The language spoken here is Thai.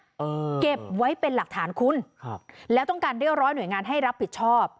เออเก็บไว้เป็นหลักฐานคุณครับแล้วต้องการเรียกร้อยหน่วยงานให้รับผิดชอบ